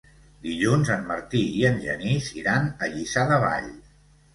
Dilluns en Martí i en Genís iran a Lliçà de Vall.